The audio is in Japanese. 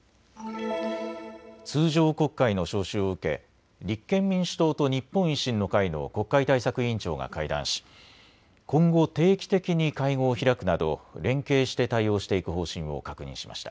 通常国会の召集を受け立憲民主党と日本維新の会の国会対策委員長が会談し今後、定期的に会合を開くなど連携して対応していく方針を確認しました。